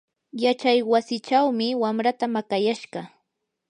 yachaywasichawmi wamraata maqayashqa.